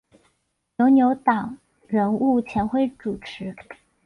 由牛党人物钱徽主持。